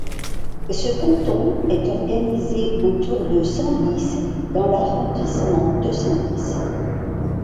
Ce canton est organisé autour de Senlis dans l'arrondissement de Senlis.